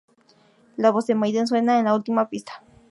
La voz de Maiden suena en la última pista.